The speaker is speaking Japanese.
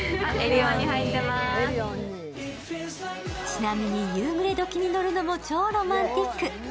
ちなみに夕暮れ時に乗るのも超ロマンティック。